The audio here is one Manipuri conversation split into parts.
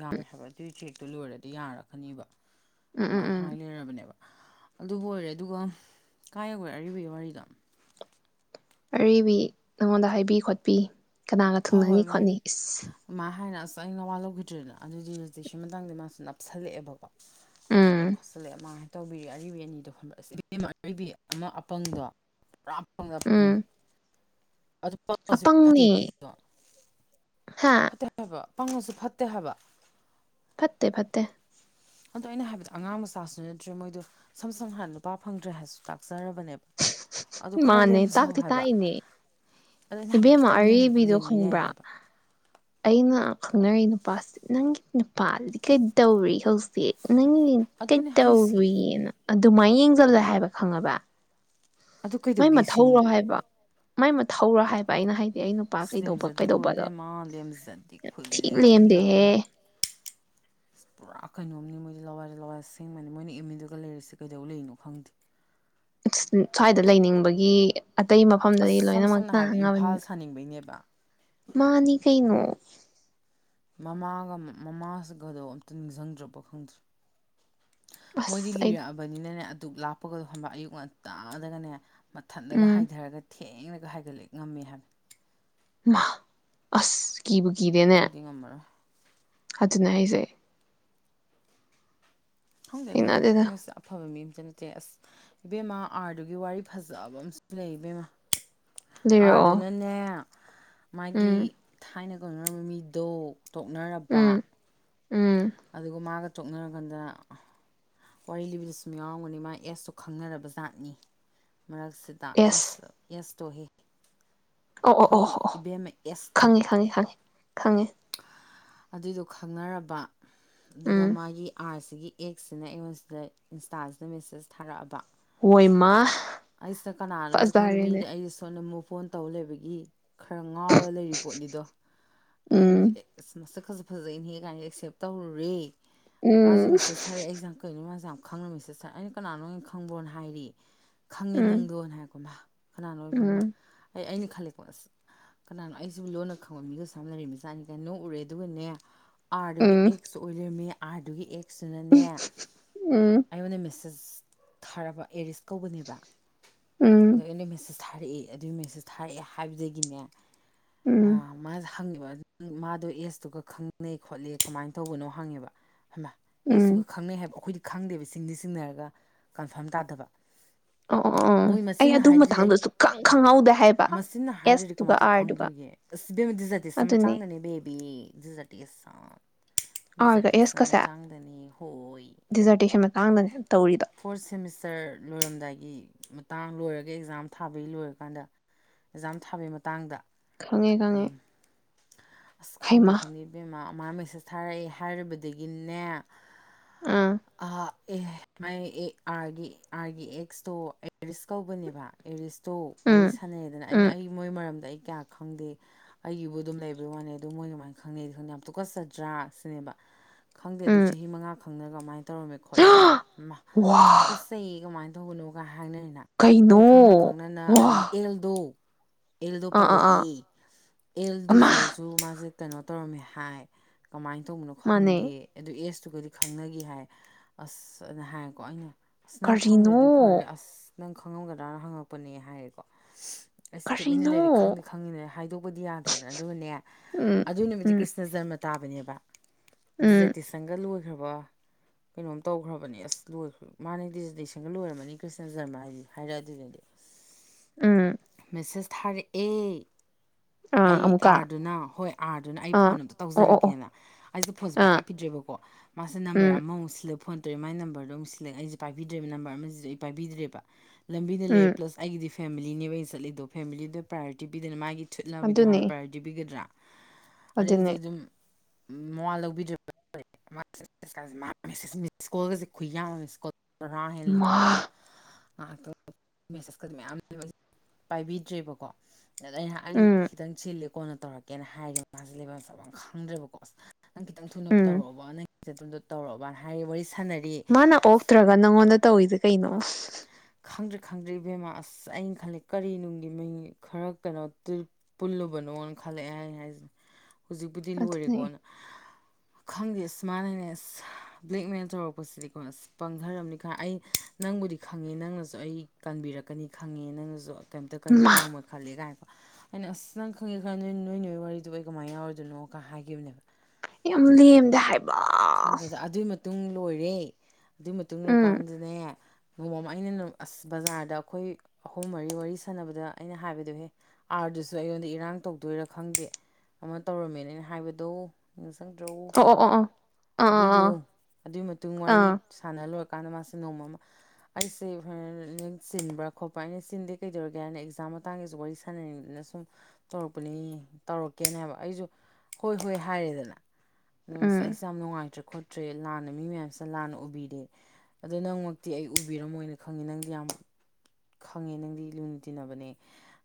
ꯌꯥꯔ ꯍꯥꯏꯕ ꯑꯗꯨꯏ ꯆꯦꯛꯇꯨ ꯂꯣꯏꯔꯗꯤ ꯌꯥꯔꯛꯀꯅꯤꯕ ꯎꯝ ꯃꯥ ꯎꯝ ꯎꯝ ꯍꯉ ꯂꯩꯔꯔꯕꯅꯦꯕ ꯑꯗꯨꯕꯨ ꯑꯣꯏꯔꯦ ꯑꯗꯨꯒ ꯀꯥꯏꯒꯔꯦ ꯑꯔꯤꯕꯒꯤ ꯋꯥꯔꯤꯗ ꯑꯔꯤꯕꯔꯤꯕꯤ ꯅꯪꯉꯣꯟꯗ ꯍꯥꯏꯕꯤ ꯈꯣꯠꯄꯤ ꯀꯅꯥꯒ ꯍꯣꯏ ꯊꯨꯡꯅꯅꯤ ꯍꯣꯏ ꯈꯣꯠꯅꯤ ꯃꯥꯒꯤ ꯏꯁ ꯑꯗꯨꯃꯥꯏꯅ ꯍꯥꯏꯅ ꯑꯁ ꯑꯩꯩꯅ ꯅꯋꯥ ꯂꯧꯈꯤꯗ꯭ꯔꯦꯗ ꯑꯗꯨ ꯔꯦꯂꯤꯁꯇꯦꯁꯟ ꯃꯇꯥꯡꯗ ꯃꯥꯁꯨ ꯅꯞꯁꯜꯂꯛꯑꯦꯕꯀꯣ ꯐꯁꯂꯦ ꯎꯝ ꯈꯣꯁꯂꯦ ꯑꯃꯥ ꯍꯥꯏꯇꯥꯦ ꯇꯧꯕꯤꯔꯤ ꯑꯔꯤꯕ ꯑꯅꯤꯗꯣ ꯍꯛ ꯏꯦꯝ ꯑꯔꯤꯕꯕꯤ ꯑꯃ ꯑꯄꯪꯗꯣ ꯄꯨꯔꯥ ꯐꯪꯉ ꯎꯝ ꯐꯪꯉꯦ ꯑꯗꯨ ꯐꯪꯁꯨ ꯐꯠꯇꯦ [unintelligible] ꯐꯠꯇꯕ ꯄꯪꯉꯁꯨ ꯐꯠꯇꯦ ꯍꯥꯏꯕ ꯐꯠꯇꯦ ꯐꯠꯇꯦ ꯑꯗꯣ ꯑꯩꯅ ꯍꯥꯏꯕꯗꯣ ꯑꯉꯥꯡ ꯃꯆꯥꯁꯨ ꯅꯠꯇ꯭ꯔꯦ ꯃꯣꯏꯗꯣ ꯁꯝ ꯁꯝ ꯍꯥꯏꯥꯟꯅ ꯂꯨꯄꯥ ꯐꯪꯗ꯭ꯔꯦ ꯍꯥꯏꯁꯨ ꯇꯥꯛꯆꯔꯕꯅꯦꯕ ꯑꯗꯨ ꯈꯔ ꯃꯥꯅꯦ ꯂꯦꯝꯖꯧ ꯇꯥꯛꯇꯤ ꯍꯥꯏꯕ ꯇꯥꯛꯏꯅꯦ ꯑꯗꯨꯅ ꯍꯥꯏꯕꯗꯤ ꯏꯕꯦꯝꯃ ꯈꯤꯇꯪ ꯑꯕꯤꯗꯣ ꯂꯦꯝꯕ ꯌꯥꯏ ꯈꯪꯕ꯭ꯔꯥ ꯍꯥꯏꯕ ꯑꯩꯅ ꯈꯪꯅꯔꯤꯛ ꯅꯨꯄꯥꯁꯤ ꯅꯪꯒꯤ ꯅꯨꯄꯥꯗꯤ ꯀꯩ ꯇꯧꯔꯤ ꯍꯧꯖꯤꯛ ꯅꯪ ꯀꯦ ꯑꯗꯨꯅꯦ ꯍꯥꯏꯁꯤ ꯇꯕꯅ ꯑꯗꯨꯃꯥꯏꯅ ꯌꯦꯡꯁꯤꯜꯂ ꯍꯥꯏꯕ ꯈꯪꯉꯕ ꯑꯗꯨ ꯃꯣꯏ ꯀꯩꯗꯧꯒꯦ ꯁꯤꯅꯤ ꯃꯊꯧꯧꯔꯣ ꯍꯥꯏꯕ ꯃꯥꯏ ꯃ ꯊꯧꯔꯥ ꯍꯥꯏꯕ ꯑꯩꯅ ꯍꯥꯏ ꯑ ꯂꯦꯝꯖꯗꯗꯤ ꯀꯣꯏꯕꯦꯝꯃ ꯂꯦꯝꯖꯗꯗꯤ ꯈꯨꯏ ꯊꯤ ꯂꯦꯝꯗꯕꯅꯤ ꯂꯦꯝꯗꯦꯍꯦ ꯄꯨꯔꯥ ꯀꯩꯅꯣꯝꯅꯤ ꯃꯣꯏ ꯂꯋꯥꯏꯔ ꯂꯋꯥꯏꯔ ꯁꯦꯡꯕꯅꯤ ꯃꯣꯏꯅ ꯏꯃꯤꯗꯨꯒ ꯂꯩꯔꯁꯤꯦ ꯀꯩꯗꯧ ꯂꯩꯔꯤꯅꯣ ꯈꯪꯗꯦ [unintelligible] ꯁ꯭ꯋꯥꯏꯗ ꯂꯩꯅꯤꯡꯕꯒꯤ ꯑꯇꯩ ꯑꯁ ꯃꯐꯝꯗꯗꯤ ꯁꯝ ꯁꯝꯅ ꯍꯥꯏꯔꯕꯗ ꯏꯝꯐꯥꯜ ꯂꯣꯏꯅꯃꯛꯅꯉꯕꯅꯤꯅ ꯁꯥꯅꯤꯡꯕꯩꯅꯦꯕ ꯃꯥꯅꯤ ꯀꯩꯅꯣ ꯃꯃꯥꯒ ꯃꯃꯥꯁꯤꯒꯗꯣ ꯑꯝꯇ ꯅꯤꯡꯁꯤꯡꯗ꯭ꯔꯕ ꯈꯪꯗ꯭ꯔꯦ ꯃꯣꯏꯗꯤ ꯑꯁ ꯑꯩ ꯂꯤꯔꯛꯑꯕꯅꯤꯅꯅꯦ ꯛ ꯂꯥꯛꯄꯒꯗꯣ ꯍꯟꯕ ꯑꯌꯨꯛ ꯉꯟꯇꯥꯗꯒꯅꯦ ꯃꯊꯟꯗꯒ ꯎꯝ ꯍꯥꯏꯊꯔꯒ ꯊ ꯊꯦꯡꯅꯒ ꯍꯥꯏꯒꯠꯂꯛꯦ ꯉꯝꯃꯦ ꯍꯥꯏꯕꯅ ꯑꯁ ꯀꯤꯕꯨ ꯀꯤꯗꯦꯅꯦ ꯑꯩꯈꯣꯏꯗꯤ ꯉꯝꯃꯔꯣꯏ ꯑꯗꯨꯅ ꯑꯩꯁꯦ ꯍꯥꯏꯗꯦꯗꯥ ꯊꯦꯡꯅꯗꯦꯗ ꯃꯣꯏꯁꯦ ꯑꯐꯕ ꯃꯤ ꯑꯗꯨ ꯅꯠꯇꯦ ꯑꯁ ꯏꯕꯦꯝꯃ ꯑꯥꯔꯗꯨꯒꯤ ꯋꯥꯔꯤ ꯐꯖꯕ ꯑꯨ ꯂꯩ ꯏꯕꯦꯝꯃ ꯑꯥꯔꯗꯨ ꯂꯤꯔꯛꯑꯣ ꯑꯗꯨꯅꯅꯦ ꯃꯥꯒꯤ ꯎꯝ ꯊꯥꯏꯅ ꯀꯧꯅꯔꯝꯕ ꯃꯤꯗꯣ ꯇꯣꯛꯅꯔꯕ ꯎꯝ ꯎꯝ ꯑꯗꯨꯒꯥ ꯃꯥꯅ ꯇꯣꯛꯅꯔꯀꯥꯟꯗ ꯋꯥꯔꯤ ꯂꯤꯕꯗ ꯁꯨꯝ ꯌꯥꯎꯔꯝꯒꯅꯤ ꯃꯥꯒꯤ ꯑꯦꯁꯇꯣ ꯈꯪꯅꯔꯕ ꯖꯥꯠꯅꯤ ꯃꯔꯛꯁꯤꯗ ꯑꯦꯁ ꯌꯦꯁ - ꯌꯦꯁ [unintelligible] ꯑꯣ ꯑꯣ ꯑꯣ ꯑꯣ ꯑꯣ! ꯈꯪꯉꯤ- ꯈꯪꯉꯤ- ꯈꯪꯉꯤ꯫ ꯈꯪꯉꯤ꯫ ꯑꯗꯨꯏꯗꯣ ꯈꯪꯅꯔꯕ ꯑꯗꯨꯒ ꯎꯝ ꯃꯥꯒꯤ ꯑꯥꯁ ꯁꯤꯒꯤ ꯑꯦꯛꯁꯤꯅ ꯑꯩꯉꯣꯟ ꯁꯤꯗ ꯏꯟꯁꯇꯥꯁꯤꯗ ꯃꯦꯁꯦꯁ ꯊꯥꯔꯛꯑꯕ ꯍꯣꯏꯃ ꯑꯩꯁꯅ ꯀꯅꯥꯅꯣꯁꯨ ꯈꯪꯗꯦ ꯐꯖꯔꯦꯅꯦ ꯃꯤꯗꯤ ꯑꯩꯗꯤ ꯁ ꯗ ꯃꯨꯛ ꯑꯣꯟ ꯇꯧ ꯂꯩꯕꯒꯤ ꯈꯔ ꯉꯥꯎꯔ ꯂꯩꯔꯤ ꯄꯣꯠꯅꯤꯗꯣ ꯑꯩ ꯎꯝ ꯑꯁ ꯃꯁꯛ ꯐꯖ ꯐꯖꯩꯅꯦꯍ ꯀꯥꯏꯅ ꯑꯦꯛꯁꯦꯞ ꯇꯧꯔꯨꯔꯦ ꯃꯥꯖꯤ ꯎꯝ ꯃꯦꯁꯦꯖ ꯊꯔꯦ ꯑꯩꯖꯦ ꯀꯩꯅꯣ ꯃꯥ ꯈꯪꯉ ꯅꯥ ꯃꯤꯁꯦꯁ ꯇꯊꯔꯛ ꯑꯩꯅ ꯀꯅꯥꯅꯣ ꯈꯪꯕ꯭ꯔꯣꯅ ꯍꯥꯏꯔꯤ ꯈꯪꯉꯤ ꯎꯝ ꯅꯪꯗꯣꯅ ꯍꯥꯏꯔꯛꯀꯣ ꯃꯥ ꯀꯅꯥꯅꯣꯕ ꯃꯥ ꯎꯝ ꯑꯩ ꯑꯩꯅ ꯈꯜꯂꯦꯀꯣ ꯑꯁ ꯀꯅꯥꯅꯣ ꯑꯩꯁꯨꯕꯨ ꯂꯣꯟꯅ ꯈꯪꯕ ꯃꯤꯒꯥꯁꯨ ꯌꯥꯝ ꯂꯩꯔꯝꯃꯤꯖꯠꯅꯤ ꯀꯥꯏ ꯅꯣꯛ ꯎꯔꯦ ꯑꯗꯨꯒꯅꯦ ꯑꯥꯔꯗꯨꯒꯤ ꯎꯝ ꯑꯦꯛꯁ ꯑꯣꯏꯗꯔꯝꯃꯤ ꯑꯥꯔ ꯗꯨꯒꯤ ꯑꯩ ꯁꯨꯅꯅꯦ ꯎꯝ ꯑꯩꯉꯣꯟꯗ ꯃꯦꯁꯖ ꯊꯥꯔꯕ ꯑꯦꯔꯤꯁ ꯀꯧ ꯎꯝ ꯑꯗ ꯑꯩꯅꯥ ꯃꯁꯦ ꯊꯥꯔꯛꯑꯦ ꯑꯗꯨꯒꯤ ꯃꯦꯁꯦꯁ ꯊꯥꯔꯛꯑꯦ ꯍꯥꯏꯕꯗꯒꯤꯅꯦ ꯎꯝ ꯑ ꯃꯥ ꯍꯪꯉꯦꯕ ꯃꯥꯗꯣ ꯑꯦꯖꯇꯨꯒ ꯈꯪꯅꯩ ꯈꯣꯠꯂꯦ ꯀꯃꯥꯏꯅ ꯇꯧꯕꯅꯣ ꯍꯪꯉꯦꯕ ꯍꯩ ꯃꯥ ꯎꯝ ꯑꯩꯁꯨꯒ ꯈꯪꯅꯩ ꯍꯥꯏꯕ ꯑꯩꯈꯣꯏꯗꯤ ꯈꯪꯗꯦꯕ ꯆꯤꯡꯗꯤ - ꯆꯤꯥꯡꯅꯔꯒ ꯀꯟꯐꯥꯔꯝ ꯇꯥꯗꯕ ꯑꯣ ꯑꯣ ꯑꯣ ꯃꯣꯏ ꯑꯩ ꯃꯆꯤꯟꯅ ꯑꯗꯨ ꯍꯥꯏꯗ꯭ꯔꯤ ꯑꯩ ꯃꯇꯥꯡꯗ ꯁꯨꯛꯈꯪ ꯈꯪꯍꯧꯗꯦ ꯍꯥꯏꯕ ꯃꯆꯤꯟꯅ ꯍꯥꯏꯗꯔꯗꯤ ꯑꯦꯁꯇꯨꯒ ꯀꯃꯥꯏ ꯇꯧ ꯑꯥꯔꯗꯨꯒ ꯈꯪꯗꯣꯏꯒꯦ ꯑꯁ ꯏꯕꯦꯝꯃ ꯗꯤꯖꯔꯇꯦꯁꯟ ꯑꯗꯨꯅꯤ ꯃꯇꯥꯡꯗꯅꯦ ꯕꯦꯕꯤ ꯗꯤꯖꯔꯇꯦꯁꯟ ꯑꯥꯔꯒ ꯗꯤꯖꯔꯇꯦꯁꯟ ꯑꯦꯁꯀꯁꯦ ꯃꯥꯇꯡꯗꯅꯤ ꯍꯣꯏ ꯗꯤꯖꯔꯇꯦꯁꯟ ꯃꯇꯥꯡꯗꯅꯦ ꯇꯧꯔꯤꯗꯣ ꯐꯣꯔꯠ ꯁꯦꯃꯤꯁꯇꯔ ꯂꯣꯏꯔꯝꯗꯥꯏꯒꯤ ꯃꯇꯥꯡ ꯂꯣꯏꯔꯒ ꯑꯦꯛꯖꯥꯝ ꯊꯥꯕꯒꯤ ꯂꯣꯏꯔꯀꯥꯟꯗ ꯑꯦꯛꯖꯥꯝ ꯊꯥꯕꯩ ꯃꯇꯥꯡꯗ ꯈꯪꯉꯦ ꯈꯪꯉꯦ ꯑꯗꯨꯝ ꯑꯁ ꯈꯪꯗꯦ ꯍꯩꯃ ꯈꯪꯗꯦ ꯏꯕꯦꯃꯥ ꯃꯥ ꯃꯦꯁꯦꯁ ꯊꯥꯔꯛꯑꯦ ꯍꯥꯏꯔꯨꯕꯗꯒꯤꯅꯦ ꯑꯥ ꯑ ꯑꯦꯍ ꯃꯥꯏ ꯑꯥꯔꯒꯤ ꯑꯥꯔꯒꯤ ꯑꯦꯛꯁꯇꯣ ꯑꯦꯔꯤꯁ ꯀꯧꯕꯅꯦꯕ ꯑꯦꯔꯤꯁ ꯇꯣ ꯋꯥꯔꯤ ꯎꯝ ꯁꯥꯟꯅꯩꯗꯅ ꯑꯩꯅ ꯎꯝ ꯑꯩ ꯃꯣꯏ ꯃꯔꯝꯗ ꯑꯩ ꯀꯌꯥ ꯈꯪꯗꯦ ꯑꯩꯒꯤꯕꯨ ꯑꯗꯨꯝ ꯂꯩꯕꯩ ꯋꯥꯅꯦ ꯑꯗꯨꯝ ꯃꯣꯏ ꯑꯗꯨꯃꯥꯏꯅ ꯈꯪꯅꯩꯗꯤ ꯈꯪꯗꯦ ꯌꯥꯝ ꯇꯨꯀꯠꯆꯗ꯭ꯔꯥ ꯁꯤꯅꯦꯕ ꯈꯪꯗꯦ ꯑꯗꯨ ꯎꯝ ꯆꯍꯤ ꯃꯉꯥ ꯈ- ꯈꯪꯅꯒ ꯃꯃꯥꯏ ꯇꯧꯔꯝꯃꯦ ꯈꯣꯠꯂꯦꯅ ꯃꯥꯍ ꯋꯥ ꯇꯨ ꯀꯠꯆꯩ ꯀꯃꯥꯏꯅ ꯇꯧ ꯇꯧꯒꯅꯣꯒ ꯍꯥꯏ ꯍꯥꯏꯅꯔꯤꯅ ꯑꯩ ꯀꯩꯅꯣ ꯈꯪꯅ ꯈꯪꯅꯅ ꯋꯥ ꯑꯗꯒꯤ ꯑꯦꯜꯗꯣ ꯑꯦꯜꯗꯣ ꯑꯥ ꯑꯥ ꯑꯥ ꯄꯂꯛꯏ ꯑꯦꯜ ꯑꯃ ꯗꯨꯁꯦꯁꯨꯣ ꯃꯥꯁꯦ ꯀꯩꯅꯣ ꯇꯧꯔꯝꯃꯤ ꯍꯥꯏ ꯀꯃꯥꯏꯅ ꯇꯧꯕꯅꯣ ꯃꯥꯅꯦ ꯈꯪꯗꯦ ꯑꯗꯨ ꯑꯦꯁ ꯁꯨꯒꯗꯤ ꯈꯪꯅꯈꯤ ꯍꯥꯏ ꯑꯁ ꯑꯗꯨꯅ ꯍꯥꯏꯀꯣ ꯑꯩꯅ ꯑꯁ ꯅꯪ ꯀꯔꯤꯅꯣ ꯈꯪꯗ꯭ꯔꯗꯤ ꯐꯔꯦ ꯑꯁ ꯅꯪ ꯈꯪꯉꯝꯒꯗ꯭ꯔꯥꯅ ꯍꯪꯉꯛꯄꯅꯦ ꯍꯥꯏꯌꯦꯀꯣ ꯑꯩꯁ ꯇꯨꯃꯤꯟꯅ ꯀꯔꯤꯅꯣ ꯂꯩꯔꯤ ꯈꯪꯗꯤ ꯈꯪꯉꯤꯅꯦ ꯍꯥꯏꯗꯣꯛꯄꯗꯤ ꯌꯥꯗ꯭ꯔꯦꯗꯅ ꯑꯗꯨꯒꯅꯦ ꯎꯝ ꯑꯗꯨꯒꯤ ꯅꯨꯃꯤꯗꯤ ꯎꯝ ꯀ꯭ꯔꯤꯁꯅ ꯖꯔꯃ ꯈ ꯇꯥꯕꯅꯦꯕ [unintelligible] ꯎꯝ ꯈ꯭ꯔꯕ ꯀꯩꯅꯣꯝ ꯇꯧꯈ꯭ꯔꯕꯅꯦ ꯑꯁ ꯂꯣꯏꯈ꯭ꯔ ꯃꯥꯅꯦ ꯗꯤꯖꯔꯇꯦꯁꯟꯒ ꯂꯣꯏꯔꯝꯃꯅꯤ ꯀ꯭ꯔꯤꯁꯅ ꯖꯔꯃ ꯍꯥꯏꯗꯤ ꯍꯥꯏꯔꯛ ꯑꯗꯨꯅꯗꯤ ꯎꯝ ꯃꯦꯁꯦꯖ ꯊꯥꯔꯛ ꯑꯦ ꯑꯥ ꯑꯩ ꯑꯃꯨꯛꯀ ꯑꯥꯔꯗꯨꯅ ꯍꯣꯏ ꯑꯥꯔꯗꯨꯅ ꯑꯩ ꯑꯥ ꯐꯣꯟ ꯑꯝꯇ ꯑꯣ ꯑꯣ ꯑꯣ ꯇꯧꯖꯔꯛꯀꯦꯅ ꯑꯩꯁꯦ ꯐꯣꯟꯁꯦ ꯑꯥ ꯄꯥꯏꯈꯠꯄꯤꯗ꯭ꯔꯦꯕꯀꯣ ꯃꯥꯁꯦ ꯅꯝꯕꯔ ꯎꯝ ꯑꯃꯃꯨꯛ ꯁꯤꯜꯂ ꯐꯣꯟ ꯇꯧꯋꯦ ꯃꯥꯏ ꯅꯝꯕꯔꯗꯣ ꯑꯃꯨꯛ ꯁꯦꯂꯦꯛ ꯑꯩꯁꯦ ꯄꯥꯏꯕꯤꯗ꯭ꯔꯦꯕ ꯅꯝꯕꯔꯁꯤꯁꯨ ꯑꯩ ꯄꯥꯏꯕꯤꯗ꯭ꯔꯦꯕ ꯂꯝꯕꯤꯅ ꯂꯩꯌꯦ ꯎꯝ ꯄ꯭ꯂꯁ ꯑꯩꯒꯤꯗꯤ ꯐꯦꯃꯤꯂꯤꯅꯦꯕ ꯑꯩꯅ ꯆꯠꯂꯤꯗꯣ ꯐꯦꯃꯤꯂꯤꯗ ꯄ꯭ꯔꯥꯏꯌꯣꯔꯤꯇꯤ ꯄꯤꯗꯅ ꯃꯥꯒꯤ ꯁꯠꯅꯕꯕꯨꯗꯤ ꯍꯥꯟꯅ ꯑꯗꯨꯅꯦ ꯄ꯭ꯔꯥꯏꯌꯣꯇꯤꯒꯗ꯭ꯔꯥ ꯑꯗꯒꯤꯗꯤ ꯑꯗꯨꯅꯦ ꯑꯗꯨꯝ ꯃ ꯂꯧꯕꯤꯗ꯭ꯔꯣꯜꯁꯦ ꯌꯥꯝ ꯔꯥ ꯍꯦꯦꯟ ꯂꯩꯕꯅꯦꯕ ꯃꯥ ꯇꯞꯦꯦ ꯃꯌꯥꯝ ꯂꯩ ꯄꯥꯏꯕꯤꯗ꯭ꯔꯦꯕꯀꯣ ꯑꯗ ꯑꯩꯍꯥꯛ ꯎꯝ ꯈꯤꯇꯪ ꯆꯤꯂ ꯀꯣꯟꯅ ꯇꯧꯔꯛꯀꯦꯅ ꯍꯥꯏꯔꯒꯦ ꯃꯥꯁꯦ ꯂꯩꯐꯝ ꯆꯥꯐꯝ ꯈꯪꯗ꯭ꯔꯦꯕꯀꯣ ꯅꯪ ꯈꯤꯇꯪ ꯊꯨꯅ ꯎꯝ ꯇꯧꯔꯛꯑꯣꯕ ꯅꯪ ꯗꯣ ꯇꯧꯔꯛꯔꯕꯕꯅ ꯍꯥꯏ ꯋꯥꯔꯤ ꯁꯥꯟꯅꯔꯤ ꯃꯥꯅ ꯑꯣꯛꯇ꯭ꯔꯒ ꯅꯪꯉꯣꯟꯗ ꯇꯧꯔꯤꯁꯦ ꯀꯩꯅꯣ ꯈꯪꯗ꯭ꯔꯦ ꯈꯪꯗ꯭ꯦ ꯏꯕꯦꯝꯃꯥ ꯑꯁ ꯑꯩꯅ ꯈꯜꯜꯂꯤꯦ ꯀꯔꯤ ꯅꯨꯡꯒꯤ ꯃꯤ ꯈꯔ ꯀꯩꯅꯣ ꯄꯨꯜꯂꯨꯕꯅꯣꯅ ꯈꯜꯂꯛꯑꯦ ꯍꯥꯏ ꯍꯥꯏꯁꯤꯅꯦ ꯍꯧꯖꯤꯛꯄꯨꯗꯤ ꯑꯗꯨꯅꯦ ꯂꯣꯏꯔꯦꯀꯣꯅ ꯈꯪꯗꯦ ꯁꯨꯃꯥꯏꯅꯅꯦꯁ ꯕ꯭ꯂꯦꯛꯃꯦꯜ ꯇꯧꯔꯛꯄꯁꯤꯗꯤ ꯀꯣ ꯑꯁ ꯄꯪꯊꯔꯕꯅꯤ ꯈ ꯑꯩ ꯅꯪꯕꯨꯗꯤ ꯈꯪꯦ ꯈꯪꯉꯦ ꯅꯪꯅꯁꯨ ꯑꯩ ꯇꯥꯟꯕꯤꯔꯛꯀꯅꯤ ꯈꯪꯉꯦ ꯅꯪꯅꯁꯨ ꯀꯩꯝꯇ ꯀꯩꯅꯣ ꯃꯥ ꯇꯧꯔꯃꯣꯏ ꯈꯜꯂꯤ ꯀꯥꯏꯕꯣ ꯑꯩꯅ ꯑꯁ ꯅꯪ ꯈꯪꯒꯦ ꯈꯪ ꯅ ꯅꯣꯏ ꯅꯣꯏ ꯋꯥꯔꯤꯗꯣ ꯑꯩ ꯀꯃꯥꯏꯅ ꯌꯥꯎꯔꯤꯣꯏꯗꯣꯏꯅꯣꯒ ꯍꯥꯏꯈꯤꯕꯅꯦꯕ ꯌꯥꯝꯂꯤꯦꯝꯗ ꯍꯥꯏꯕ ꯇꯨꯡ ꯂꯣꯏꯔꯦ ꯑꯗꯨꯏ ꯃꯇꯨꯡ ꯎꯝ ꯂꯔꯀꯥꯟꯗꯅꯦ ꯅꯣꯡꯃꯝ ꯑꯩꯅ ꯑꯁ ꯕꯖꯥꯔꯗ ꯑꯩꯈꯣꯏ ꯑꯍꯨꯝ ꯃꯔꯤ ꯋꯥꯔꯤ ꯁꯥꯟꯅꯕꯗ ꯑꯩꯅ ꯍꯥꯏꯕꯗꯍꯦ ꯑꯥꯔꯗꯨꯁꯨ ꯑꯩꯉꯣꯟꯗ ꯏꯔꯥꯡ ꯇꯧꯗꯣꯏꯔꯥ ꯈꯪꯗꯦ ꯑꯃ ꯇꯧꯔꯝꯃꯦꯅ ꯑꯩꯅ ꯍꯥꯏꯕꯗꯧ ꯁꯪꯗ꯭ꯔꯛꯎ ꯑꯣ ꯑꯣ ꯑꯣ ꯑꯣ ꯑꯗꯨꯏꯗꯣ ꯑꯥ ꯑꯥ ꯑꯥ ꯑꯗꯨꯒꯤ ꯃꯇꯨꯡ ꯋꯥꯔꯤ ꯑꯥ ꯁꯥꯟꯅ ꯂꯣꯏꯨꯔ ꯀꯥꯟꯗ ꯃꯥꯁꯦ ꯅꯣꯡꯃ ꯑꯃ ꯑꯩꯁꯦ ꯍꯣꯔꯦꯟ ꯆꯤꯟꯕ꯭ꯔꯥ ꯈꯣꯠꯄ꯭ꯔꯥ ꯑꯩꯅ ꯆꯤꯟꯗꯦ ꯀꯩꯗꯧꯔꯒꯦ ꯍꯥꯏꯅ ꯑꯦꯛꯖꯥꯝ ꯃꯇꯥꯡꯒꯤꯁꯨ ꯋꯥꯔꯤ ꯁꯥꯟꯅꯅꯤꯡꯗꯅ ꯁꯨꯝ ꯇꯧꯔꯛꯄꯅꯤ ꯇꯧꯔꯛꯀꯦꯅ ꯍꯥꯏꯕ ꯑꯩꯁꯨ ꯍꯣꯏ ꯍꯣꯏ ꯍꯥꯏꯔꯦꯗꯅ ꯎꯝ ꯑꯩꯁ ꯌꯥꯝ ꯅꯨꯡꯉꯥꯏꯇ꯭ꯔꯦ ꯈꯣꯠꯇ꯭ꯔꯦ ꯂꯥꯟꯅ ꯃꯤ ꯃꯌꯥꯝꯁꯤꯅ ꯂꯥꯟꯅ ꯎꯕꯤꯔꯦ ꯑꯗꯣ ꯅꯪꯃꯛꯇꯤ ꯑꯩ ꯎꯕꯤꯔꯝꯃꯣꯏꯅ ꯈꯪꯉꯤ ꯅꯪꯗꯤ ꯌꯥꯝ ꯈꯪꯉꯦ ꯅꯪꯗꯤ ꯂꯨꯅ ꯇꯤꯟꯅꯕꯅꯦ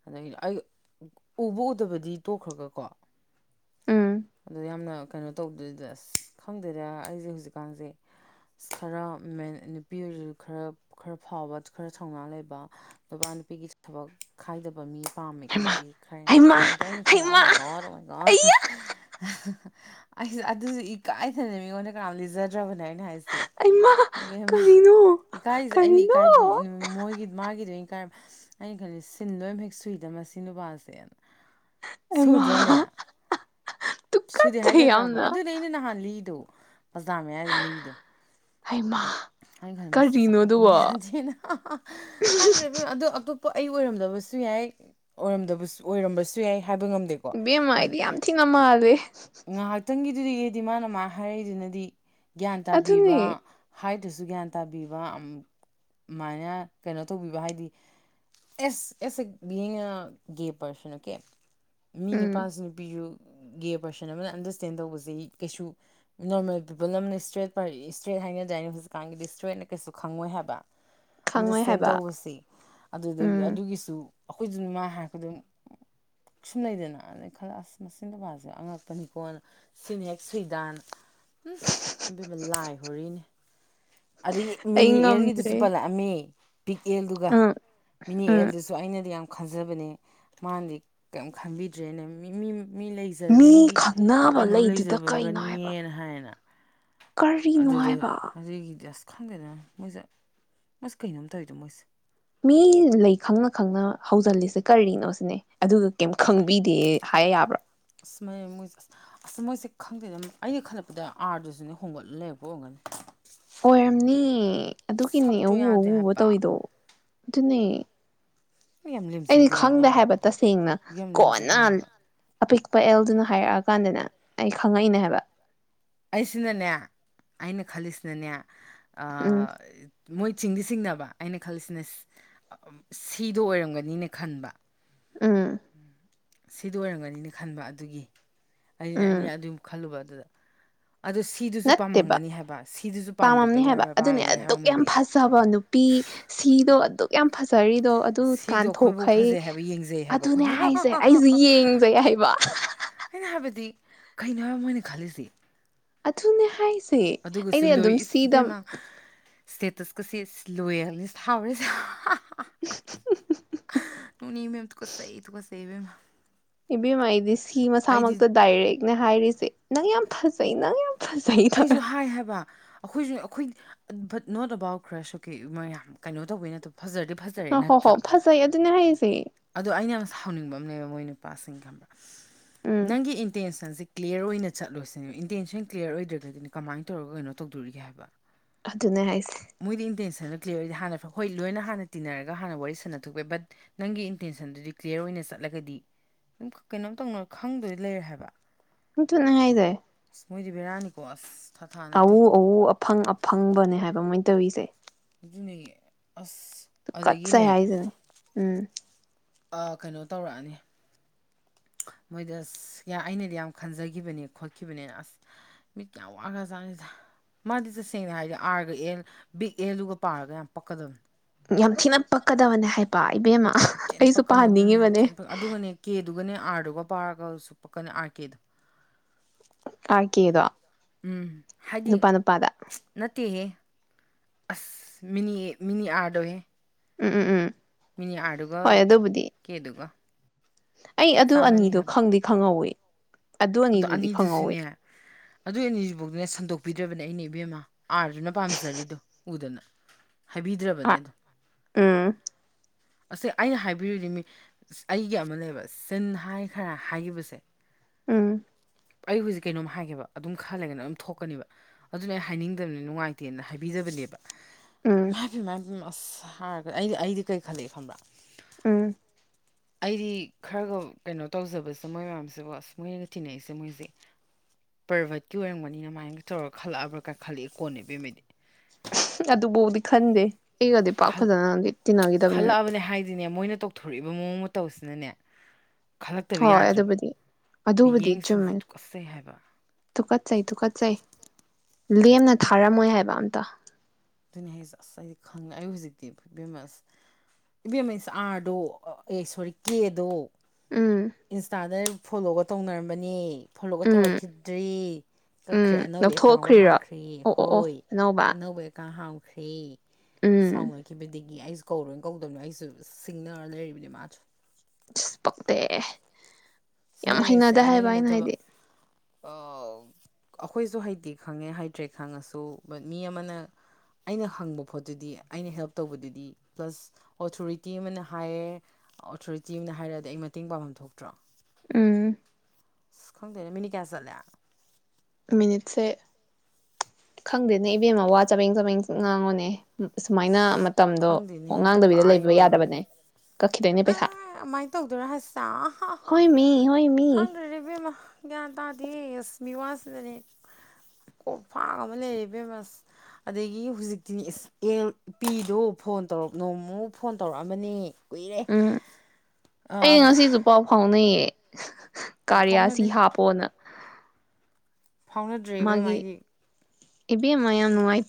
ꯑꯗꯗꯒꯤ ꯑꯩ ꯎꯕ ꯎꯗꯕꯗꯤ ꯇꯣꯛꯈ꯭ꯔꯒꯀꯣ ꯎꯝ ꯑꯣ ꯌꯥꯝꯅ ꯀꯩꯅꯣ ꯇꯧꯗꯗ ꯑꯁ ꯈꯪꯗꯦꯗ ꯑꯩꯁꯦ ꯍꯧꯖꯤꯛꯀꯥꯟꯁꯦ ꯈꯔ ꯃ ꯅꯨꯄꯤ ꯑꯣꯏꯔꯁꯨ ꯈꯔ ꯈꯔ ꯐꯥꯎꯕ ꯈꯔ ꯊꯧꯅꯥ ꯂꯩꯕ ꯅꯨꯄꯥ ꯅꯨꯄꯤꯒꯤ ꯊꯕꯛ ꯈꯥꯏꯗꯕ ꯃꯤ ꯆꯥꯝꯃꯦ ꯍꯩꯃꯥ ꯈꯣꯠꯂꯤ ꯈꯔ ꯍꯩꯃꯥ ꯑꯗꯣ ꯑꯩꯅ ꯍꯩꯃꯥ ꯈꯜꯂꯦꯛꯃꯥꯏꯀꯧ ꯑꯗꯨꯃꯥꯏꯒꯧ ꯑꯩꯌꯥ ꯑꯩꯁ ꯑꯗꯨꯁꯨ ꯏꯀꯥꯏꯊꯅ ꯃꯤꯉꯣꯟꯗ ꯀꯅꯥꯝ ꯂꯤꯖꯗ꯭ꯔꯕꯅꯦ ꯍꯥꯏꯁꯤ ꯍꯩꯃꯥ ꯏꯕꯦꯃ ꯀꯔꯤꯅꯣ ꯏꯀꯥꯏꯖꯩ ꯑꯩꯅ ꯀꯔꯤꯅꯣ ꯏꯀꯥꯏꯕꯤ ꯃꯣꯏꯒꯤ ꯃꯥꯒꯤꯗ ꯏꯀꯥꯏ ꯑꯩꯅ ꯈꯜꯂꯦ ꯁꯤꯟ ꯂꯣꯏꯅ ꯍꯦꯛ ꯁꯨꯏꯗꯕ ꯃꯁꯤ ꯅꯨꯄꯥꯁꯦ ꯁꯨꯗ꯭ꯔꯅꯦ ꯍꯩꯃꯥ ꯁꯨꯗꯤ ꯇꯨꯀꯠꯆꯩ ꯍꯥꯏꯒꯗ꯭ꯔꯥꯕ ꯌꯥꯝꯅ ꯑꯗꯨꯅꯦ ꯑꯩꯅ ꯅꯍꯥꯟ ꯂꯤꯗꯣ [unintelligible] ꯕꯖꯥꯔ ꯃꯌꯥꯏꯗ ꯂꯤꯗꯣ ꯍꯩꯃꯥ ꯑꯩꯅ ꯈꯟꯕ ꯃꯁꯤ ꯀꯔꯤꯅꯣ ꯆꯥꯎꯈꯠꯄꯤꯃꯤ ꯑꯗꯨꯕꯣ ꯅꯠꯇꯦ ꯅꯥ ꯈꯪꯗ꯭ꯔꯦ ꯑꯗꯣ ꯑꯇꯣꯞ ꯄ ꯑꯩ ꯑꯣꯏꯔꯝꯗꯕꯁꯨ ꯌꯥꯏ ꯑꯣꯏꯔꯝꯗꯕꯁꯨ ꯑꯣꯏꯔꯝꯕꯁꯨ ꯌꯥꯏ ꯍꯥꯏꯕ ꯉꯝꯗꯦꯀꯣ ꯏꯕꯦꯝꯃ ꯑꯩꯗꯤ ꯌꯥꯝ ꯊꯤꯅ ꯃꯥꯜꯂꯦ ꯗꯨꯗꯤ ꯑꯩꯗꯤ ꯃꯥꯅ ꯃꯥ ꯍꯥꯏꯔꯛꯏꯗꯨꯅꯗꯤ ꯒ꯭ꯌꯥꯟ ꯑꯗꯨꯅꯦ ꯇꯥꯕꯤꯕ ꯍꯥꯏꯗꯨ꯭ꯔꯁꯨ ꯒ꯭ꯌꯥꯟ ꯇꯥꯕꯤꯕ ꯑꯃꯥꯏꯅ ꯀꯩꯅꯣ ꯇꯧꯕꯤꯕ ꯍꯥꯏꯗꯤ ꯑꯦꯁ ꯑꯦꯁ ꯑꯦ ꯕꯤꯡ ꯑ ꯒꯦ ꯄꯔꯁꯟ ꯑꯣ ꯀꯦ ꯃꯤ ꯎꯝ ꯅꯨꯄꯥꯁꯨ ꯅꯨꯄꯤꯁꯨ ꯒꯦꯞ ꯄꯔꯁꯟ ꯑꯃꯅ ꯑꯟꯗꯔꯁꯇꯦꯟ ꯇꯧꯕꯁꯤ ꯀꯩꯁꯨ ꯅꯣꯔꯃꯦꯜ ꯄꯤꯄꯜ ꯑꯃꯅ ꯏꯁꯇ꯭ꯔꯦꯠ ꯏꯁꯇ꯭ꯔꯦꯠ ꯍꯥꯏꯅꯗꯥꯏꯅꯦ ꯍꯧꯖꯤꯛꯀꯥꯟꯒꯤꯗꯤ ꯏꯁ꯭ꯇ꯭ꯔꯦꯠꯅ ꯀꯩꯁꯨ ꯈꯪꯉꯣꯏ ꯍꯥꯏꯕ ꯈꯪꯉꯣꯏ ꯑꯟꯗꯔꯁꯇꯦꯟ ꯍꯥꯏꯕ ꯇꯧꯕꯁꯦ ꯑꯗꯨꯗꯒꯤ ꯎꯝ ꯑꯗꯨꯒꯤꯁꯨ ꯑꯩꯈꯣꯏꯖꯨ ꯃꯥ ꯍꯥꯏꯔꯄ ꯑꯗꯨꯝ ꯁꯨꯝ ꯂꯩꯩꯗꯅ ꯑꯗꯩ ꯈꯜꯂ ꯑꯁ ꯅꯨꯄꯥꯁꯦ ꯑꯉꯛꯄ ꯄꯅꯤ ꯀꯣꯅ ꯁꯤꯟ ꯍꯦꯛ ꯁꯨꯏꯗ ꯅꯥ ꯎꯃ ꯂꯥꯏ ꯍꯣꯔꯤꯅꯦ ꯑꯗꯒꯤ ꯑꯩ ꯃꯤꯅꯤ ꯑꯦꯔꯒꯤꯗꯨꯁꯨ ꯉꯝꯗ꯭ꯔꯦ ꯄꯜꯂꯛꯑꯝꯃꯤ ꯄꯤꯛ ꯑꯦꯜꯗꯨꯒ ꯎꯝ ꯃꯤꯅꯤ ꯎꯝ ꯑꯦꯜꯗꯨꯁꯨ ꯑꯩꯅꯗꯤ ꯌꯥꯝ ꯈꯟꯖꯕꯅꯦ ꯃꯥꯅꯗꯤ ꯀꯩꯝ ꯈꯟꯕꯤꯗ꯭ꯔꯦꯅ ꯃꯤ ꯃꯤ ꯃꯤ ꯂꯩꯖꯔ ꯃꯤ ꯃꯤꯒꯤ ꯈꯪꯅꯕ ꯀꯩꯅꯣ ꯂꯩꯗꯨꯗ ꯀꯩꯅꯣ ꯍꯥꯏꯕ ꯂꯩꯖꯔꯝꯒꯅꯤꯌꯦꯅ ꯍꯥꯏꯌꯦꯅ ꯀꯔꯤꯅꯣ ꯑꯗꯨꯗ ꯍꯥꯏꯕ ꯑꯗꯨꯒꯤ [unintelligible] ꯈꯪꯗꯦꯗ ꯃꯣꯏꯍꯦ ꯃꯣꯏꯖꯦ ꯀꯩꯅꯣꯝ ꯇꯧꯋꯤꯗ ꯃꯣꯏꯁꯦ ꯃꯤ ꯂꯩ ꯈꯪꯅ ꯈꯪꯅ ꯍꯧꯖꯜꯂꯤꯁꯦ ꯀꯔꯤꯅꯣ ꯁꯤꯅꯦ ꯑꯗꯨꯒ ꯀꯩꯝ ꯈꯪꯕꯤꯗꯦ ꯍꯥꯏ ꯌꯥꯕ꯭ꯔꯥ ꯑꯁꯃꯥꯏ ꯃꯣꯏꯁꯦ ꯑꯁ ꯑꯁ ꯃꯣꯏꯁꯦ ꯈꯪꯗꯦꯅ ꯑꯩꯅ ꯈꯜꯂꯛꯄꯗ ꯑꯥꯔꯗꯨꯁꯨꯅꯦ ꯍꯣꯡꯒꯠꯂ ꯂꯩꯔꯛꯄ ꯑꯣꯏꯔꯒꯅꯤ ꯑꯣꯏꯔꯝꯅꯤꯌꯦ ꯑꯗꯨꯒꯤꯅꯦ ꯁꯛꯁꯨ ꯑꯎ ꯌꯥꯗꯦ ꯑꯎꯕ ꯍꯥꯏꯕ ꯇꯧꯋꯤꯗꯣ ꯑꯗꯨꯅꯦ ꯌꯥꯝ ꯑꯩꯗꯤ ꯂꯦꯝꯖꯗ꯭ꯔꯣ ꯈꯪꯗꯦ ꯌꯥꯝ ꯍꯥꯏꯕ ꯇꯁꯦꯡꯅ ꯌꯥꯝ ꯀꯣꯟꯅ ꯂꯦꯝꯖꯗꯦ ꯍꯥꯏꯕ ꯑꯄꯤꯛꯄ ꯑꯦꯜꯗꯨꯅ ꯍꯥꯏꯔꯛꯑꯀꯥꯟꯗꯅꯦ ꯑꯩ ꯈꯪꯉꯛꯏꯅꯦ ꯍꯥꯏꯕ ꯑꯩꯁꯤꯅꯅꯦ ꯑꯩꯅ ꯈꯜꯂꯤꯁꯤꯅꯅꯦ ꯑ ꯎꯝ ꯃꯣꯏ ꯆꯤꯡꯗꯤ ꯆꯤꯡꯅꯕ ꯑꯩꯅ ꯈꯜꯂꯤꯁꯤꯅ ꯁꯤꯗꯣ ꯑꯣꯏꯔꯝꯒꯅꯤꯅ ꯈꯟꯕ ꯑꯝ ꯁꯤꯗ ꯑꯣꯏꯔꯝꯒꯅꯤꯅ ꯈꯟꯕ ꯑꯗꯨꯒꯤ ꯑꯩꯅ ꯎꯝ ꯑꯩꯅ ꯑꯗꯨ ꯈꯜꯂꯨꯕ ꯑꯗꯨꯗ ꯑꯗꯣ ꯁꯤꯗꯨꯁꯨ ꯅꯠꯇꯦꯕ ꯄꯥꯝꯍꯝꯒꯅꯤ ꯍꯥꯏꯕ ꯁꯤꯗꯨꯁꯨ ꯄꯥꯝꯗꯕ ꯄꯥꯝꯃꯝꯅꯤ ꯍꯥꯏꯕ ꯌꯥꯔꯣꯏ ꯑꯗꯨꯅꯦ ꯄꯥꯝꯃꯝꯒꯅꯤ ꯍꯥꯏꯕ ꯑꯗꯨꯛ ꯌꯥꯝ ꯃꯣꯏꯗꯤ ꯐꯖꯕ ꯅꯨꯄꯤ ꯁꯤꯗꯣ ꯑꯗꯨꯛ ꯌꯥꯝ ꯐꯖꯔꯤ ꯑꯗꯣ ꯑꯗꯨ ꯁꯤꯗꯣ ꯑꯩꯈꯣꯏꯐꯥꯎ ꯀꯥꯟꯊꯣꯛꯈꯩ ꯐꯖꯩ ꯍꯥꯏꯕ ꯌꯦꯡꯖꯩ ꯍꯥꯏꯕ ꯑꯗꯨꯅꯦ ꯑꯩꯈꯣꯏꯕꯨ ꯍꯥꯏꯁꯦ ꯑꯩꯁ ꯌꯦꯡꯖꯩ ꯍꯥꯏꯕ ꯑꯩꯅ ꯍꯥꯏꯕꯗꯤ ꯀꯩꯅꯣ ꯍꯥꯏꯕ ꯃꯣꯏꯅ ꯈꯜꯂꯤꯁꯤ ꯑꯊꯅ ꯍꯥꯏ ꯁꯤ ꯑꯩꯅꯦ ꯑꯗꯨꯝ ꯁꯤꯗ ꯁ꯭ꯇꯦꯇꯁꯀꯁꯦꯁ ꯂꯣꯏꯌꯦꯅꯤ ꯍꯥꯎꯔꯤꯁꯦ ꯎꯅꯤ ꯁꯀ ꯁ ꯏꯕ ꯃꯥꯏꯗꯤꯁ ꯁꯤ ꯑꯩꯗꯤ ꯃꯁꯥꯃꯛꯇ ꯗꯥꯏꯔꯦꯛꯅꯦ ꯍꯥꯏꯔꯤꯁꯦ ꯅ ꯌꯥꯝ ꯐꯁꯩꯅ ꯌꯥꯝ ꯐꯖꯩ ꯇꯧꯔ ꯑꯩꯁꯨ ꯍꯥꯏ ꯍꯥꯏꯕ ꯑꯩꯈꯣꯏꯁꯨ ꯑꯩꯈꯣꯏ ꯕꯠ ꯅꯣꯠ ꯑꯕꯥꯎꯠ ꯈꯔ ꯁ ꯀꯦ ꯃꯌꯥꯝ ꯀꯩꯅꯣ ꯇꯧꯕꯩ ꯅꯠꯇꯕ ꯐꯖꯔꯗꯤ ꯐꯖꯔꯦ ꯑ ꯍꯣ ꯅꯠꯇ꯭ꯔꯥ ꯍꯣ ꯐꯖꯩ ꯑꯗꯨꯅꯦ ꯍꯥꯏꯁꯦ ꯑꯗ ꯑꯩꯅ ꯍꯥꯎꯅꯤꯡꯕ ꯑꯃ ꯂꯩꯕ ꯃꯣꯏ ꯅꯨꯄꯥꯁꯤꯡꯒꯕ꯭ꯔ ꯎꯝ ꯅꯪꯒꯤ ꯏꯟꯇꯦꯁ ꯁꯟꯦ꯭ꯂꯤꯌꯥꯔ ꯑꯣꯏꯅ ꯆꯠꯂꯁꯤꯅꯦ ꯏꯟꯇꯦꯟꯁꯟ ꯀ꯭ꯂꯤꯌꯥꯔ ꯑꯣꯏꯗ꯭ꯔꯒ ꯑꯗꯩꯗꯒꯤꯗꯤ ꯀꯃꯥꯏꯅ ꯇꯧꯔꯒ ꯀꯩꯅꯣ ꯇꯧꯗꯣꯔꯤꯒꯦ ꯍꯥꯏꯕ ꯑꯗꯨꯅꯦ ꯍꯥꯏꯁꯦ ꯃꯣꯏꯗꯤ ꯏꯟꯇꯦꯟꯁꯟꯗꯣ ꯀ꯭ꯂꯤꯌꯥꯔ ꯑꯣꯏꯗꯤ ꯍꯥꯟꯅ ꯍꯣꯏ ꯂꯣꯏꯅ ꯍꯥꯟꯅ ꯇꯤꯟꯅꯔꯒ ꯍꯥꯟꯅ ꯋꯥꯔꯤ ꯁꯥꯟꯅꯊꯣꯛꯄꯦ ꯕꯠ ꯅꯪꯒꯤ ꯏꯟꯇꯦꯟꯁꯟꯗꯨꯗꯤ ꯀ꯭ꯂꯤꯌꯥꯔ ꯑꯣꯏꯅ ꯆꯠꯂꯒꯗꯤ ꯑꯗꯨꯝ ꯀꯩꯅꯣꯝ ꯇꯧꯅ ꯈꯪꯗꯣꯏꯗꯤ ꯂꯩꯔꯦ ꯍꯥꯏꯕ ꯆ ꯅꯅꯨꯡꯉꯗꯦ ꯑꯁ ꯃꯣꯏꯗꯤ ꯕꯔꯥꯅꯤ ꯈꯣꯁ ꯑꯎ ꯑꯎ ꯑꯐꯪ ꯑꯐꯪꯕꯅꯦ ꯍꯥꯏꯕ ꯃꯣꯏꯅ ꯇꯧꯔꯤꯁꯦ ꯑꯗꯨꯨꯅꯤ ꯀꯠ ꯁꯦ ꯍꯥꯏ ꯍꯥꯏꯗꯅꯦ ꯎꯝ ꯀꯩꯅꯣ ꯇꯧꯔꯛꯑꯅꯤ ꯃꯣꯏꯗ ꯑꯁ ꯑꯩꯅꯗꯤ ꯌꯥꯝ ꯈꯟꯖꯈꯤꯕꯅꯤ ꯈꯣꯠꯈꯤꯕꯅꯤꯅ ꯑꯁ ꯃꯤꯠ ꯀꯌꯥꯝ ꯋꯥꯈ꯭ꯔ ꯆꯥꯗ ꯃꯥꯗꯤ ꯇꯁꯦꯡꯅ ꯍꯥꯏꯗꯤ ꯑꯥꯔꯒ ꯑꯦꯜ ꯕꯤꯒ ꯑꯦꯜꯗꯨꯒ ꯄꯥꯔꯒ ꯌꯥꯝ ꯄꯛꯀꯗꯕꯅꯤ ꯌꯥꯝ ꯊꯤꯅ ꯄꯛꯀꯗꯕꯅꯦ ꯍꯥꯏꯕ ꯏꯕꯦꯝꯃ ꯊꯤꯅ ꯑꯩꯁꯨ ꯄꯥꯍꯟꯅꯤꯡꯉꯤꯕꯅꯦ ꯑꯗꯨꯒꯗꯨꯅꯦ ꯑꯔꯒꯣ ꯄꯒꯁꯨ ꯄꯀꯅ ꯍꯥꯀꯦꯗ ꯀꯥꯏ ꯀꯗꯣ ꯎꯝ ꯍꯥꯏꯗꯤ ꯅꯨꯄꯥꯥꯟ ꯅꯨꯄꯥꯥꯗ ꯅꯠꯇꯦꯍꯦ ꯑꯁ ꯃꯤꯅꯤ ꯃꯤꯅꯤ ꯑꯥꯔꯗꯣꯍꯦ ꯎꯝ ꯎꯝ ꯎꯝ ꯃꯤꯅꯤꯑꯥꯔꯗꯨꯒ ꯍꯣꯏ ꯑꯗꯨꯕꯨꯗꯤ ꯀ‌ꯦꯗꯨꯒ ꯑꯩ ꯑꯗꯨ ꯑꯅꯤꯗꯣ ꯈꯪꯗꯤ ꯈꯪꯍꯧꯋꯤ ꯑꯗꯨ ꯑꯅꯤꯗꯨꯗꯤ ꯈꯪꯍꯧꯋꯤ ꯑꯅꯤꯗꯨꯁꯨꯅꯦ ꯑꯗꯨꯏ ꯑꯅꯤꯁꯤꯐꯥꯎꯗꯅꯦ ꯁꯟꯗꯣꯛ ꯕꯤꯗꯔꯕꯅꯦ ꯑꯩꯅ ꯏꯕꯦꯝꯃ ꯑꯥꯔꯖꯨꯅ ꯄꯥꯝꯖꯔꯤꯗꯣ ꯎꯗꯅ ꯍꯥꯏꯕꯤꯗ꯭ꯔꯕꯅꯦ ꯑꯥ ꯑꯗꯣ ꯎꯝ ꯑꯁꯤ ꯑꯩꯅ ꯍꯥꯏꯕꯤꯔꯨꯗꯤ ꯃꯤ ꯑꯩꯒꯤ ꯑꯃ ꯂꯩꯌ‌ꯦꯕ ꯁꯤꯟ ꯍꯥꯏ ꯈꯔ ꯍꯥꯏꯈꯤꯕꯁꯦ ꯎꯝ ꯑꯩ ꯍꯧꯖꯤꯛ ꯀꯩꯅꯣꯝ ꯍꯥꯏꯒꯦꯕ ꯑꯗꯨꯝ ꯈꯔ ꯂꯩꯒꯅ‌ꯦ ꯑꯗꯨꯝ ꯊꯣꯛꯀꯅꯦꯕ ꯑꯗꯨꯅ ꯑꯩ ꯍꯥꯏꯅꯤꯡꯗꯕꯅꯤ ꯅꯨꯡꯉꯥꯏꯇꯦꯅ ꯍꯥꯏꯕꯤꯗꯕꯅꯦꯕ ꯎꯝ ꯏꯃꯥꯏꯄ‌ꯦꯝꯃꯥ ꯎꯝ ꯑꯁ ꯍꯥꯏꯔꯒ ꯑꯩꯗꯤ ꯑꯩꯗꯤ ꯀꯩ ꯈꯜꯂꯛꯏ ꯈꯪꯕ꯭ꯔꯥ ꯎꯝ ꯑꯩꯗꯤ ꯈꯔꯒ ꯀꯩꯅꯣ ꯇꯧꯖꯕꯁꯦ ꯃꯣꯏ ꯃꯌꯥꯝꯁꯦ ꯑꯁ ꯃꯣꯏꯅꯒ ꯇꯤꯟꯅꯩꯁꯦ ꯃꯣꯏꯖꯦ ꯄ꯭ꯔꯥꯚꯠꯀꯤ ꯑꯣꯏꯔꯝꯒꯅꯤ ꯑꯃꯥꯏꯅꯒ ꯇꯧꯔꯒ ꯈꯜꯂꯛꯑꯕ꯭ꯔꯥꯀ ꯈꯜꯂꯛꯑꯦ ꯀꯣꯟꯅ ꯏꯕꯦꯝꯃ ꯑꯩꯗꯤ ꯑꯗꯨꯐꯧꯗꯤ ꯈꯟꯗꯦ ꯑꯩꯒꯗꯤ ꯄꯥꯛ ꯐꯖꯅꯗꯤ ꯇꯤꯟꯅꯈꯤꯗꯕꯅꯤꯅ ꯁꯤꯅꯦ ꯃꯣꯏꯅ ꯇꯧꯊꯣꯔꯛꯏꯕ ꯃꯑꯣꯡ ꯃꯇꯧꯁꯤꯅꯅꯦ ꯈꯜꯂꯛꯇꯕ ꯍꯣꯏ ꯌꯥꯗ꯭ꯔꯕ ꯑꯗꯨꯕꯨꯗꯤ ꯑꯗꯨꯕꯨꯗꯤ ꯆꯨꯝꯃꯦ ꯃꯤꯠꯌꯦꯡꯁꯤꯡꯁꯦ ꯇꯨꯀꯠꯆꯩ ꯍꯥꯏꯕ ꯇꯨꯀꯠꯆꯩ ꯇꯨꯀꯠꯆꯩ ꯂꯦꯝꯅ ꯊꯥꯔꯝꯃꯣꯏ ꯍꯥꯏꯕ ꯑꯝꯇ ꯑꯗꯨꯅꯤ ꯍꯥꯏꯁꯦ ꯑꯁ ꯑꯩꯗꯤ ꯈꯪꯉꯦ ꯑꯩ ꯍꯧꯖꯤꯛꯇꯤ ꯏꯕꯦꯝꯃ ꯑꯁ ꯏꯕꯦꯝꯃ ꯏꯁ ꯑꯥꯔꯗꯣ ꯑꯦ ꯁꯣꯔꯤ ꯀꯦꯗꯣ ꯎꯝ ꯏꯟꯁꯇꯥꯗ ꯐꯣꯂꯣꯒ ꯇꯧꯅꯔꯝꯕꯅꯦ ꯐꯣꯂꯣꯒ ꯎꯝ ꯇꯧꯔꯛꯈꯤꯗ꯭ꯔ‌ꯦ ꯀꯛꯈ꯭ꯔꯦ ꯎꯝ ꯑꯅꯧꯕ ꯑꯦꯀꯥꯎꯟꯒ ꯂꯧꯊꯣꯛꯈ꯭ꯔꯤꯔꯣ ꯍꯥꯡꯈ꯭ꯔꯦ ꯑꯣ ꯑꯣ ꯑꯣ ꯍꯣꯏ ꯑꯅꯧꯕ 'ꯇ ꯍꯥꯎꯈꯔ‌ꯦ ꯎꯝ ꯁꯥꯎꯅꯈꯤꯕꯗꯒꯤ ꯑꯩꯁꯨ ꯀꯧꯔꯣꯏꯅ ꯀꯧꯗꯕꯅꯤ ꯑꯩꯁꯨ ꯁꯤꯡꯅꯔꯉ ꯂꯩꯔꯤꯕꯅꯤ ꯃꯥꯗ‌ꯣ ꯏꯁ ꯄꯛꯇ‌ꯦ ꯌꯥꯝ ꯁꯤꯡꯅ ꯍꯩꯅꯗ‌ꯦ ꯍꯥꯏꯕ ꯑꯩꯅ ꯍꯥꯏꯗꯤ ꯑꯣ ꯑꯩꯈꯣꯏꯁꯨ ꯍꯩꯇꯦ ꯈꯪꯉꯦ ꯍꯥꯏꯇ꯭ꯔꯦ ꯈꯪꯉꯁꯨ ꯕꯠ ꯃꯤ ꯑꯃꯅ ꯑꯩꯅ ꯍꯪꯕ ꯄꯣꯠꯇꯨꯗꯤ ꯑꯩꯅ ꯍꯦꯜꯞ ꯇꯧꯕꯗꯨꯗꯤ ꯄ꯭ꯂꯁ ꯑꯣꯊꯣꯔꯤꯇꯤ ꯑꯃꯅ ꯍꯥꯏꯌꯦ ꯑꯣꯊꯣꯔꯤꯇꯤ ꯑꯃꯅ ꯍꯥꯏꯔꯛꯑꯗꯤ ꯑꯩ ꯃꯇꯦꯡ ꯄꯥꯡꯐꯝ ꯊꯣꯛꯇ꯭ꯔꯣ ꯎꯝ ꯑꯁ ꯈꯪꯗꯦꯅꯦ ꯃꯤꯅꯤꯠ ꯀꯌꯥ ꯆꯠꯂꯦ ꯃꯤꯅꯤꯠꯁꯦ ꯈꯪꯗꯦꯅꯦ ꯏꯕꯦꯝꯃ ꯋꯥ ꯆꯥꯕ‌ꯦꯡ ꯆꯥꯕ‌ꯦꯡ ꯉꯥꯡꯉꯣꯅꯦ ꯁꯨꯃꯥꯏꯅ ꯃꯇꯝꯗꯣ ꯈꯪꯗꯦꯅꯦ ꯋꯥ ꯄꯨꯡꯒ ꯉꯥꯡꯗꯕꯤꯗ ꯑꯥ ꯂꯩꯕ ꯌꯧꯔꯝꯃꯅꯤ ꯌꯥꯗꯕꯅꯦ ꯀꯛꯈꯤꯗꯣꯏꯅꯦ ꯄꯩꯁꯥ ꯑꯦ ꯑꯗꯨꯃꯥꯏꯅ ꯇꯧꯗꯣꯏꯔ‌ꯣ ꯍꯥꯏꯁ‌ꯦ ꯑ ꯑꯍ ꯍꯣꯏ ꯃꯤ ꯍꯣꯏ ꯃꯤ ꯈꯪꯗ꯭ꯔ‌ꯦꯗ ꯏꯕꯦꯝꯃ ꯒ꯭ꯌꯥꯟ ꯇꯥꯗꯦ ꯑꯁ ꯃꯤꯋꯥꯁꯤꯅꯅꯦ ꯀꯣꯛꯐꯡ ꯑꯃ ꯂꯩꯔꯦ ꯏꯕꯦꯝꯃ ꯑꯁ ꯑꯗꯒꯤ ꯍꯧꯖꯤꯛꯇꯤꯅꯦ ꯏꯁ ꯑꯦꯜ ꯄꯤ ꯗꯣ ꯐꯣꯟ ꯇꯧꯔ ꯅꯣꯡꯃꯨ ꯐꯣꯟ ꯇꯧꯔꯛꯑꯝꯕꯅꯦ ꯀꯨꯏ__ ꯎꯝ ꯑꯩ ꯉꯁꯤꯁꯨ ꯄꯥꯎ ꯐꯥꯎꯅꯩꯌꯦ [unintelligible] ꯀꯥꯔꯤꯌꯥꯁꯤ ꯐꯥꯎꯅꯗꯦ ꯍꯥꯞꯄꯣꯅ ꯐꯥꯎꯅꯗ꯭ꯔꯤꯕꯕꯦꯝ ꯑꯩꯗꯤ ꯏꯕꯤ ꯃꯥꯏ ꯌꯥꯝ ꯅꯨꯡꯉꯥꯏꯇ